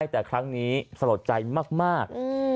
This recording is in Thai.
แต่ครั้งนี้สลดใจมาก